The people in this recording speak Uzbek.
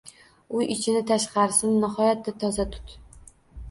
Uy ichini, tashqarisini nihoyatda toza tut.